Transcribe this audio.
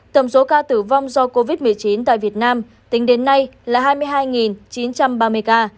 tổng số ca tử vong do covid một mươi chín tại việt nam tính đến nay là hai mươi hai chín trăm ba mươi ca